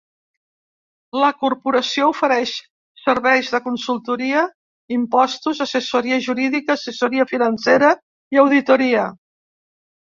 La corporació ofereix serveis de consultoria, impostos, assessoria jurídica, assessoria financera i auditoria.